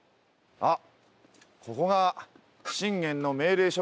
あっ！